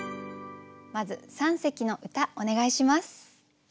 まず三席の歌お願いします。